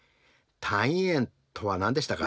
単位円とは何でしたか？